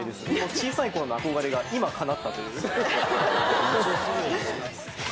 小さいころの憧れが、今、かなったという。